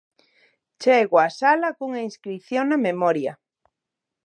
Chego á sala cunha inscrición na memoria: